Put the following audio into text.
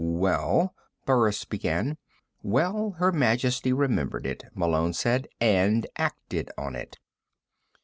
"Well " Burris began. "Well, Her Majesty remembered it," Malone said. "And acted on it."